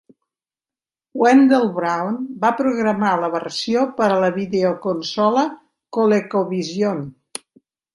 Wendell Brown va programar la versió per a la videoconsola ColecoVision.